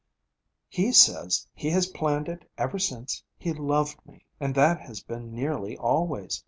'He says he has planned it ever since he loved me, and that has been nearly always.